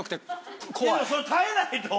それ耐えないと！